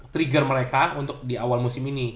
trigger mereka untuk di awal musim ini